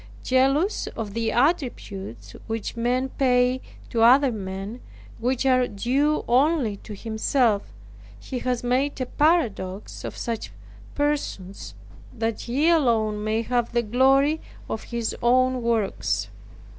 Jealous of the attributes which men pay to other men, which are due only to Himself, He has made a paradox of such persons, that He alone may have the glory of His own works.